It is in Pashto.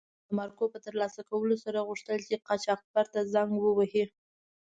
د مارکو په تر لاسه کولو سره غوښتل چې قاچاقبر ته زنګ و وهي.